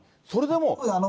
それでも？